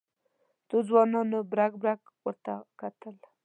څو ځوانانو برګ برګ ورته کتل.